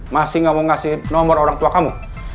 masih gak mau ngasih nomor orang tua kamu